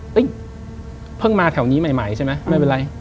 เพิ่งมาแถวนี้ใหม่ใช่ไหมไม่เป็นไร